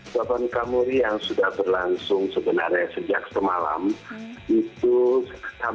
topan kamuri yang sudah berlangsung sebenarnya sejak semalam